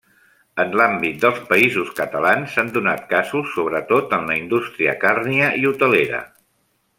En l'àmbit dels Països Catalans s'han donat casos sobretot en la indústria càrnia i hotelera.